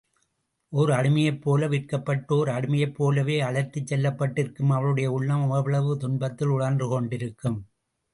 ஓர் அடிமையைப்போல விற்கப்பட்டு, ஓர் அடிமையைப் போலவே அழைத்துச் செல்லப்பட்டிருக்கும் அவளுடைய உள்ளம் எவ்வளவு துன்பத்தில் உழன்று கொண்டிருக்கும்?